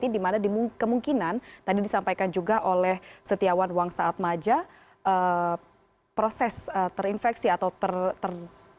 di mana kemungkinan tadi disampaikan juga oleh setiawan wang saatmaja proses terinfeksi atau terkonsumsi